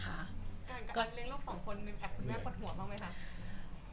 การเลี้ยงลูกสองคนเป็นแพทย์คุณแม่กดหัวบ้างไหมคะ